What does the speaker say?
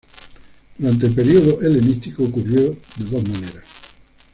Durante el periodo helenístico, ocurrió de dos maneras.